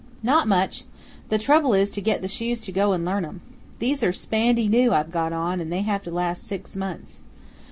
"Not much; the trouble is to get the shoes to go and learn 'em. These are spandy new I've got on, and they have to last six months.